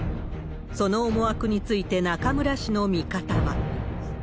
その思惑について、中村氏の見方は。